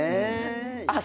あっ！